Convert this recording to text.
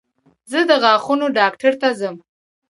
زه د غاښونو ډاکټر ته ځم.